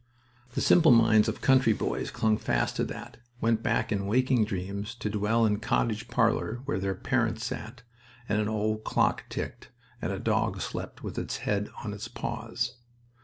The simple minds of country boys clung fast to that, went back in waking dreams to dwell in a cottage parlor where their parents sat, and an old clock ticked, and a dog slept with its head on its paws.